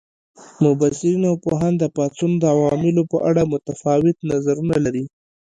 مبصرین او پوهان د پاڅون د عواملو په اړه متفاوت نظرونه لري.